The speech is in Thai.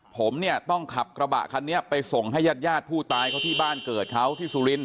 ผมเนี่ยต้องขับกระบะคันนี้ไปส่งให้ญาติญาติผู้ตายเขาที่บ้านเกิดเขาที่สุรินท